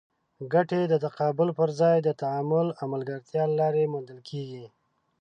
ګټې د تقابل پر ځای د تعامل او ملګرتیا له لارې موندل کېږي.